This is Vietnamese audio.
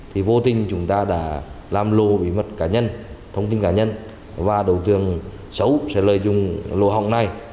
thì vô tình chúng ta đã làm lô bí mật cá nhân thông tin cá nhân và đối tượng xấu sẽ lợi dụng lô hỏng này